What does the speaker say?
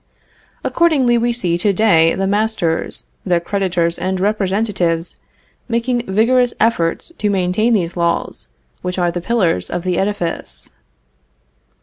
Accordingly we see to day the masters, their creditors and representatives, making vigorous efforts to maintain these laws, which are the pillars of the edifice.